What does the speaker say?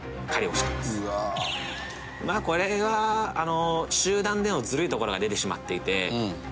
「まあこれはあの集団でのずるいところが出てしまっていて」